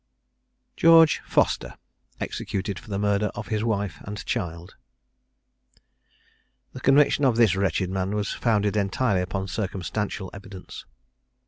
GEORGE FOSTER. EXECUTED FOR THE MURDER OF HIS WIFE AND CHILD. The conviction of this wretched man was founded entirely upon circumstantial evidence.